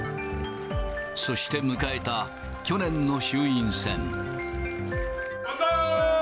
そして迎えた、去年の衆院選。